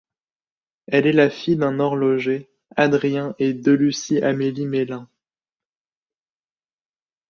Elle est la fille d'un horloger, Adrien et de Lucy Amélie Meylan.